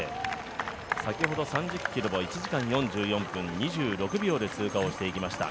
先ほど３０ｋｍを１時間２４分４４秒で通過していきました。